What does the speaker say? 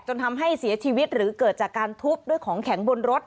ทำให้เสียชีวิตหรือเกิดจากการทุบด้วยของแข็งบนรถ